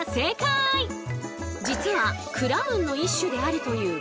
実はクラウンの一種であるというピエロ。